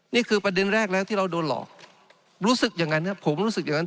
นี่คือประเด็นแรกแล้วที่เราโดนหลอกรู้สึกอย่างนั้นครับผมรู้สึกอย่างนั้น